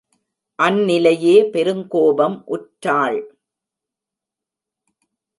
அந்நிலையே பெருங்கோபம் உற்றாள்.